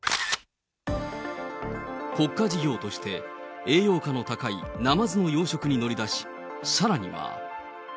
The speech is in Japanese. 国家事業として栄養価の高いナマズの養殖に乗り出し、さらには。